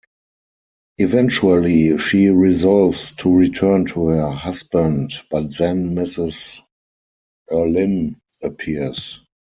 Eventually, she resolves to return to her husband, but then Mrs Erlynne appears.